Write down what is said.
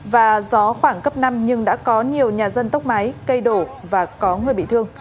và gió khoảng cấp năm nhưng đã có nhiều nhà dân tốc máy cây đổ và có người bị thương